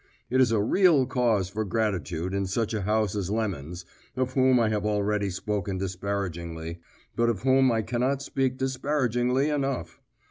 It is a real cause for gratitude in such a house as Lemon's, of whom I have already spoken disparagingly, but of whom I cannot speak disparagingly enough.